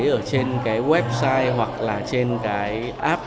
ở trên cái website hoặc là trên cái app